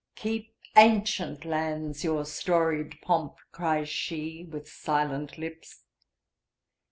"Keep, ancient lands, your storied pomp!" cries sheWith silent lips.